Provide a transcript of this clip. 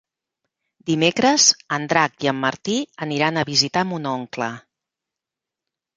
Dimecres en Drac i en Martí aniran a visitar mon oncle.